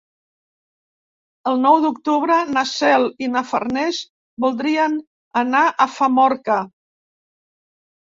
El nou d'octubre na Cel i na Farners voldrien anar a Famorca.